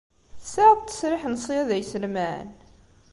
Tesɛiḍ ttesriḥ n ṣṣyada n yiselman?